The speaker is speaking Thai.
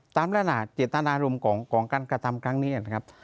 ลักษณะเจตนารมณ์ของการกระทำครั้งนี้นะครับ